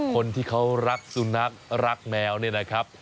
คนที่เขารักสุนัขรักแมวเนี่ยนะครับ